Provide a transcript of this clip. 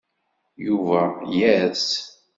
Yuba yers.